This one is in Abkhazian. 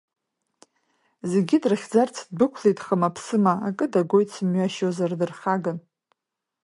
Зегьы дрыхьӡарц ддәықәлеит хыма-ԥсыма, акы дагоит, сымҩашьозар, дырхаган.